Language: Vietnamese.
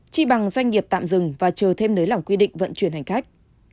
chi bằng doanh nghiệp tạm dừng và chờ thêm nới lỏng quy định vận chuyển hành khách